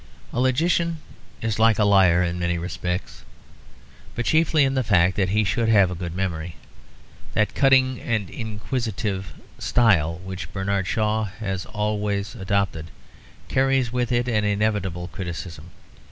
A logician is like a liar in many respects, but chiefly in the fact that he should have a good memory. That cutting and inquisitive style which Bernard Shaw has always adopted carries with it an inevitable criticism.